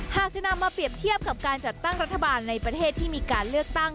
หากจะนำมาเปรียบเทียบกับการจัดตั้งรัฐบาลในประเทศที่มีการเลือกตั้ง